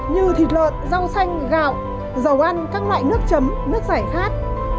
như thịt lợn rau xanh gạo dầu ăn các loại nước chấm